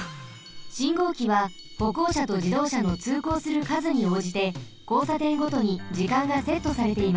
信号機はほこうしゃとじどうしゃのつうこうするかずにおうじてこうさてんごとにじかんがセットされています。